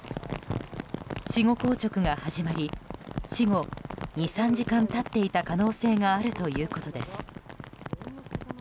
死後硬直が始まり死後２３時間経っていた可能性があるということです。